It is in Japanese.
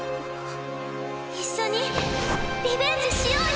一緒にリベンジしようよ！